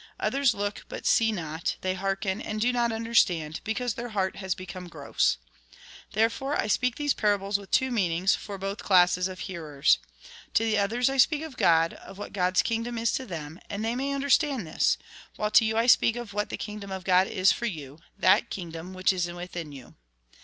Others look, but see not ; they hearken, and do not understand, because their heart has become gross. Therefore I speak these parables with two meanings, for both classes of hearers. To the others I speak of God, of what God's kingdom is to them, and they may understand this ; while to you I speak of what the kingdom of God is for you — that kingdom which is within you.